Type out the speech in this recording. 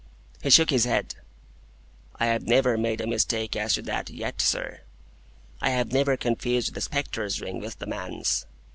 He shook his head. "I have never made a mistake as to that yet, sir. I have never confused the spectre's ring with the man's.